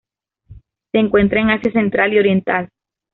Se encuentra en Asia Central y Oriental.